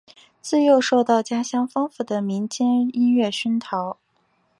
自幼受到家乡丰富的民间音乐熏陶。